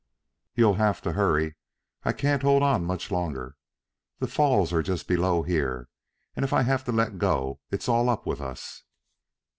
"You'll have to hurry. I can't hold on much longer. The falls are just below here and if I have to let go it's all up with us."